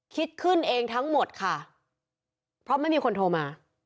คิดขึ้นเองทั้งหมดค่ะเพราะไม่มีคนโทรมา